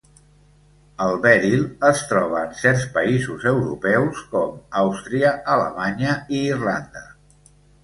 El beril es troba en certs països europeus com Àustria, Alemanya i Irlanda.